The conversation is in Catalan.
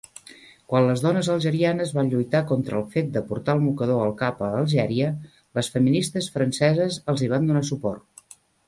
Quan les dones algerianes van lluitar contra el fet de portar el mocador al cap a Algèria, les feministes franceses els hi van donar suport.